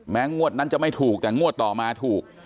งวดนั้นจะไม่ถูกแต่งวดต่อมาถูก